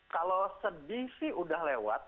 kalau sedih sih udah lewat